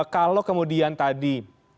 kalau kemudian tadi